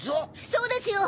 そうですよ！